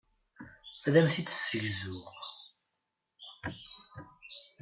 Ad am-t-id-ssegzuɣ.